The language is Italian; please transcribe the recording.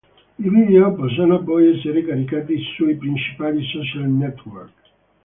I video possono poi essere caricati sui principali social network.